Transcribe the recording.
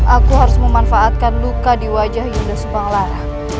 aku harus memanfaatkan luka di wajah yunda subang lara